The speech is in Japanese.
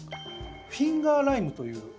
フィンガーライムという。